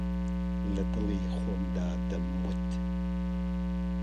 لەدڵی خۆمدا دەموت